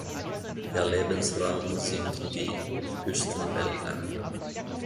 Ihr Lebensraum sind die Küstenwälder.